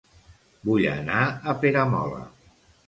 Vull anar a Peramola